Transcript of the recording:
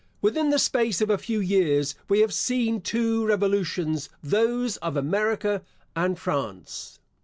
Within the space of a few years we have seen two revolutions, those of America and France.